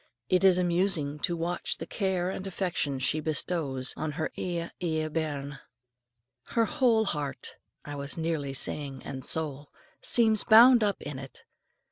It is amusing to watch the care and affection she bestows on her "ae, ae bairn." Her whole heart I was nearly saying "and soul" seems bound up in it.